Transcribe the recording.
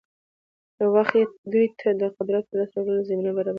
يـو وخـت يـې دوي تـه د قـدرت لاس تـه راوړلـو زمـينـه بـرابـره کـړي وي.